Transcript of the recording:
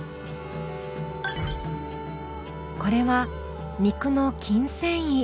これは肉の筋繊維。